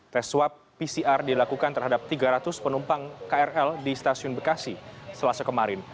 tes swab pcr dilakukan terhadap tiga ratus penumpang krl di stasiun bekasi selasa kemarin